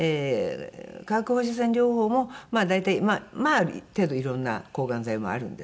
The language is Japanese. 化学放射線療法もまあ大体程度いろんな抗がん剤もあるんですけれども。